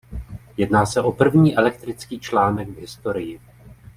Jedná se o první elektrický článek v historii.